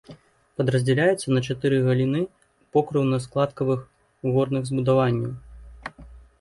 Падраздзяляецца на чатыры галіны покрыўна-складкавых горных збудаванняў.